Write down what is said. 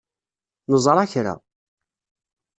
Neẓra kra.